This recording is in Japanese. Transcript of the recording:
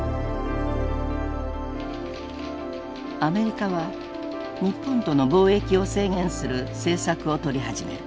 アメリカは日本との貿易を制限する政策をとり始める。